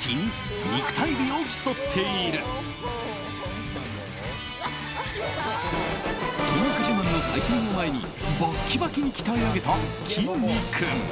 筋肉自慢の祭典を前にバッキバキに鍛え上げたきんに君。